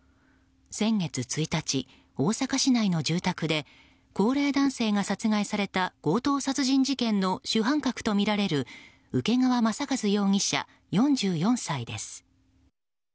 先月１日、大阪市内の住宅で高齢男性が殺害された強盗殺人事件の主犯格とみられる請川正和容疑者、４４歳です。